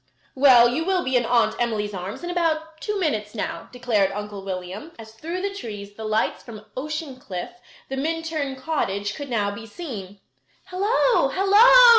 "Well, you will be in Aunt Emily's arms in about two minutes now," declared Uncle William, as through the trees the lights from Ocean Cliff, the Minturn cottage, could now be seen. "Hello! Hello!"